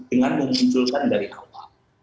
dengan memunculkan dari awal